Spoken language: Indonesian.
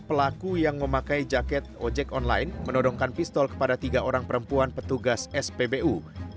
pelaku yang memakai jaket ojek online menodongkan pistol kepada tiga orang perempuan petugas spbu